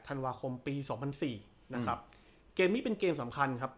ธันวาคมปีสองพันสี่นะครับเกมนี้เป็นเกมสำคัญครับ